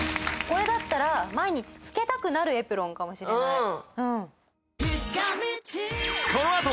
これだったら毎日つけたくなるエプロンかもしれない。